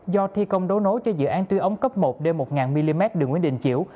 do thi công đấu nối cho dự án tuyến ống cấp một d một mm đường nguyễn đình chiểu